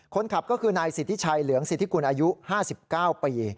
คนขับก็คือนายสิทธิชัยเหลืองสิทธิกุลอายุ๕๙ปี